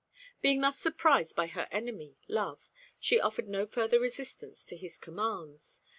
Being thus surprised by her enemy, Love, she offered no further resistance to his commands.